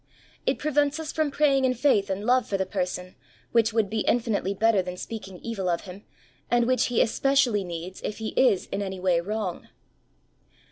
It prevents us from praying in faith and love for the person, which would be infinitely better than speaking evil of him, and which he especially needs, if he is in any way wrong.